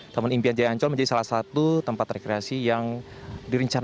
taman impian jaya ancol menjadi salah satu tempat rekreasi yang direncanakan